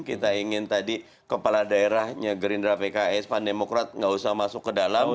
kita ingin tadi kepala daerahnya gerindra pks pan demokrat nggak usah masuk ke dalam